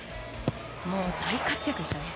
大活躍でしたね。